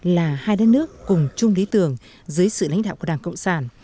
là hai đất nước cùng chung lý tưởng dưới sự lãnh đạo của đảng cộng sản